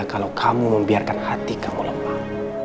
kalau kamu membiarkan hati kamu lemah